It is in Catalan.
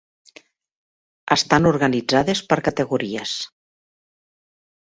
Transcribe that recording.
Estan organitzades per categories.